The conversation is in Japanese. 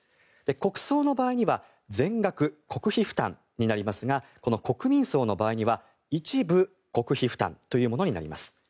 国葬の場合には全額国費負担になりますがこの国民葬の場合は一部国費負担となります。